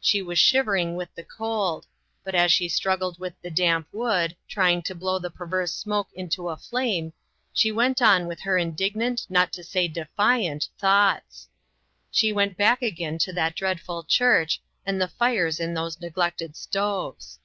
She was shivering with the cold ; but as she struggled with the damp wood, trying to TRYING to ENDURE. ?5 blow the perverse smoke into a flame, she went on \vith her indignant, not to say de fiant thoughts. She went back again to that dreadful church, and the fires in those neglected stoves.